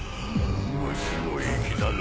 虫の息だな